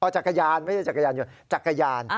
จักรยาน